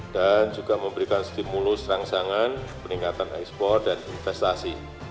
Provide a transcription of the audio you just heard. dan juga memberikan stimulus rangsangan peningkatan ekspor dan investasi